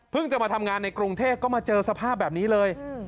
จะมาทำงานในกรุงเทพก็มาเจอสภาพแบบนี้เลย